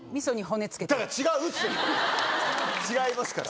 違いますから。